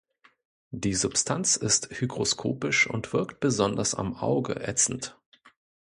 Die Substanz ist hygroskopisch und wirkt besonders am Auge ätzend.